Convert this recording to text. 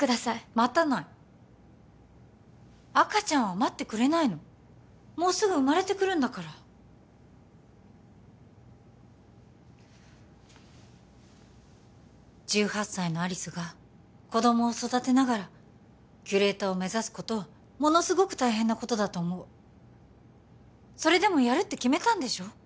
待たない赤ちゃんは待ってくれないのもうすぐ生まれてくるんだから１８歳の有栖が子どもを育てながらキュレーターを目指すことはものすごく大変なことだと思うそれでもやるって決めたんでしょ？